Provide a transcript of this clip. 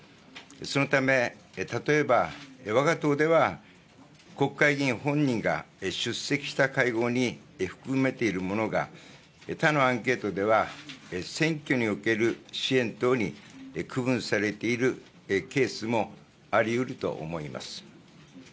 そのため、例えばわが党では、国会議員本人が出席した会合に含めているものが、他のアンケートでは、選挙における支援等に区分されているケースもありうると思います。